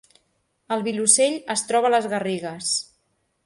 El Vilosell es troba a les Garrigues